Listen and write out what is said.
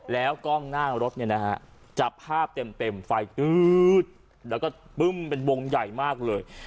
แล้วกล้องหน้ารถจับภาพเต็มไฟแล้วก็เป็นวงใหญ่มากเลย